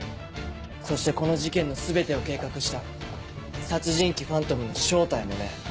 そしてこの事件の全てを計画した殺人鬼ファントムの正体もね。